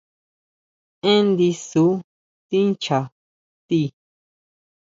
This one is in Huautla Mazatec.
Énn ndisu tincha ti.